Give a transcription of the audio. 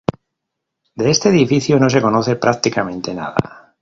De este edificio no se conoce prácticamente nada.